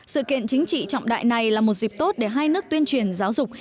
sự kiện chính trị trọng đại này là một dịp tốt để hai nước tuyên truyền giáo dục